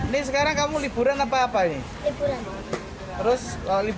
lalu kalau liburan mainnya di sini